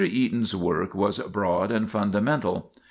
Eaton's work was broad and fundamental.